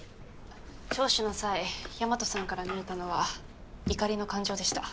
聴取の際大和さんから見えたのは「怒り」の感情でした。